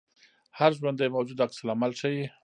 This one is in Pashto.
هر ژوندی موجود عکس العمل ښيي